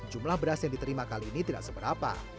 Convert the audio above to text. jumlah beras yang diterima kali ini tidak seberapa